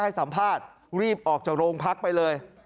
ให้สัมภาษณ์รีบออกจากโรงพักไปเลย